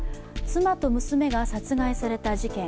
妻と娘が殺害された事件。